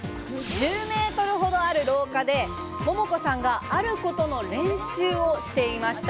１０ｍほどある廊下で桃子さんがある練習をしていました。